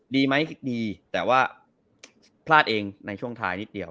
ดีไหมดีแต่ว่าพลาดเองในช่วงท้ายนิดเดียว